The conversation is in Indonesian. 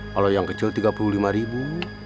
kalau yang kecil tiga puluh lima ribu